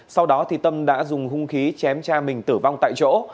sau đó tâm đã dùng hung khí chém cha mình tử vong tại chỗ